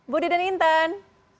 budi dan intan